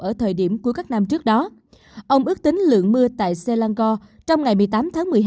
ở thời điểm của các năm trước đó ông ước tính lượng mưa tại selangor trong ngày một mươi tám tháng một mươi hai